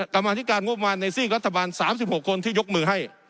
กรรมธิการงบประมาณในซีกรัฐบาล๓๖คนที่ยกมือให้